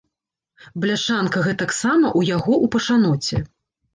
Бляшанка гэтаксама ў яго ў пашаноце.